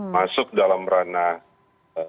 masuk dalam ranah